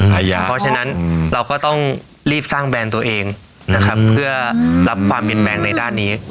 เพราะฉะนั้นเราก็ต้องรีบสร้างแบรนด์ตัวเองนะครับเพื่อรับความเปลี่ยนแปลงในด้านนี้